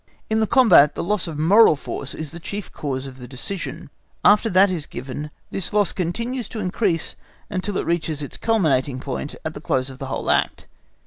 In the combat the loss of moral force is the chief cause of the decision; after that is given, this loss continues to increase until it reaches its culminating point at the close of the whole act.